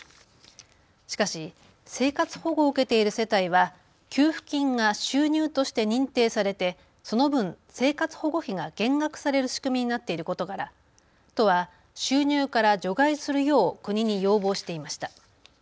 しかし生活保護を受けている世帯は給付金が収入として認定されて、その分生活保護費が減額される仕組みになっていることから都は収入から除外するよう国に要望していました。